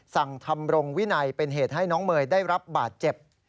สั่งทำรงวินัยเป็นเหตุให้น้องเมย์ได้รับบาดเจ็บ